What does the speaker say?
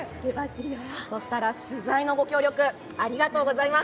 取材のご協力、ありがとうございます。